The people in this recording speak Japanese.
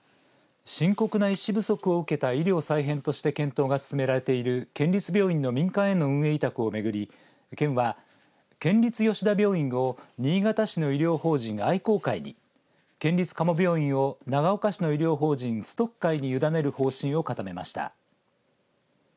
深刻な医師不足を受けた医療再編として検討が進められている県立病院の民間への運営委託をめぐり県は、県立吉田病院を新潟市の医療法人、愛広会に県立加茂病院を長岡市の医療法人、崇徳会にゆだねる方針を固めました。